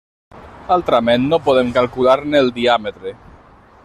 Altrament no podem calcular-ne el diàmetre.